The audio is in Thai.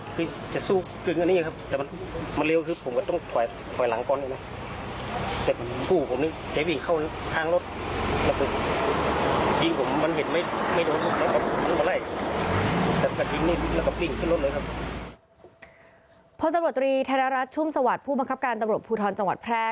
ตำรวจตรีธนรัฐชุ่มสวัสดิ์ผู้บังคับการตำรวจภูทรจังหวัดแพร่